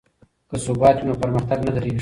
که ثبات وي نو پرمختګ نه دریږي.